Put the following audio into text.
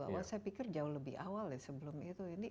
saya pikir jauh lebih awal ya sebelum itu